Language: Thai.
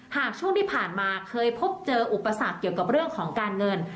หากช่วงที่ผ่านมาเคยพบเจออุปสรรคเกี่ยวกับเรื่องของการเงิน